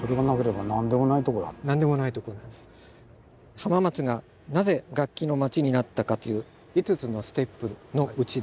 浜松がなぜ楽器の町になったかという５つのステップのうちで。